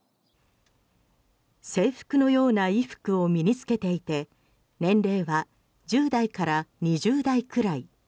制服のような衣服を身につけていて年齢は１０代から２０代くらい。